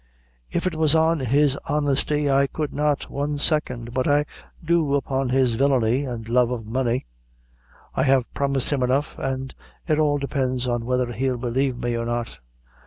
"If it was on his honesty, I could not, one second, but I do upon his villainy and love of money. I have promised him enough, and it all depends on whether he'll believe me or not."